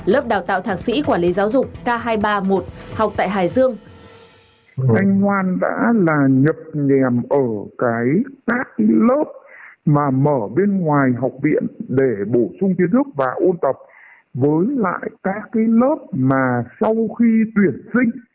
lớp đào tạo thạc sĩ quản lý giáo dục k hai trăm ba mươi một học tại hải dương